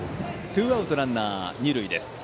ツーアウトランナー、二塁です。